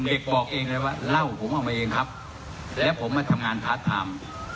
เด็กบอกเองเลยว่าเหล้าผมเอามาเองครับแล้วผมมาทำงานพาร์ทไทม์